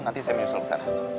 nanti saya menyusul ke sana